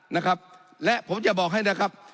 นะครับและผมจะบอกให้นะครับ